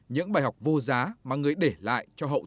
những bài học vô giá mà người để lại cho hậu